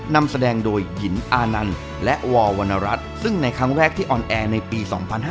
นำแสดงโดยหญิงอานันต์และววรรณรัฐซึ่งในครั้งแรกที่ออนแอร์ในปี๒๕๕๙